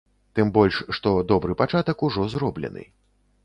Тым больш, што добры пачатак ужо зроблены.